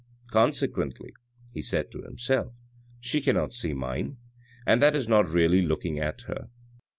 "Consequently," he said to himself, "she cannot see mine, and that is not really looking at her."